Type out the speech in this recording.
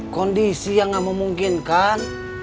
kondisi yang gak memungkinkan